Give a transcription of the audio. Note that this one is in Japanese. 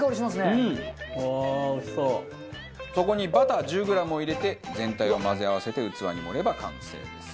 そこにバター１０グラムを入れて全体を混ぜ合わせて器に盛れば完成です。